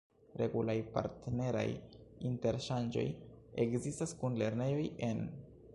Regulaj partneraj interŝanĝoj ekzistas kun lernejoj en...